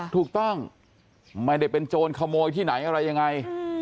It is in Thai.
ถูกต้องไม่ได้เป็นโจรขโมยที่ไหนอะไรยังไง